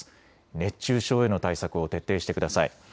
熱中症への対策を徹底してください。